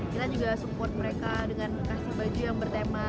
kita juga support mereka dengan kasih baju yang bertema